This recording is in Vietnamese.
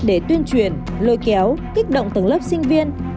để tuyên truyền lôi kéo kích động tầng lớp sinh viên